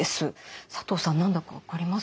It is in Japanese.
佐藤さん何だか分かります？